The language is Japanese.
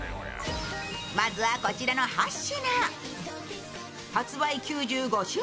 まずはこちらの８品。